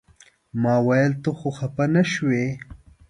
ما ویل ته خو خپه نه شوې.